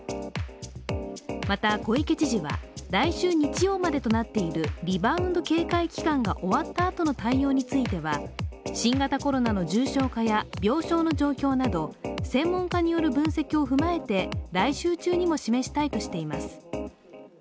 また小池知事は、来週日曜までとなっているリバウンド警戒期間が終わったあとの対応については、新型コロナの重症化や病床の状況など専門家による分析を踏まえて来週中にも示したいとしています。